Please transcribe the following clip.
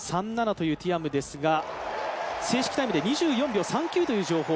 ２４秒３７というティアムですが正式タイムで２４秒３９という情報。